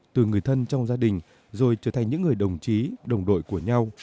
từ người thân trong gia đình rồi trở thành những người đồng chí đồng đội của nhau